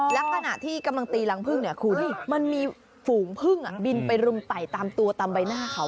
แล้วขณะที่กำลังตีรังผึ้งมันมีฝูงผึ้งบินไปลงไต่ตามตัวตามใบหน้าเขา